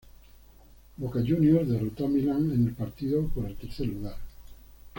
Boca Juniors derrotó a Milan en el partido por el tercer lugar.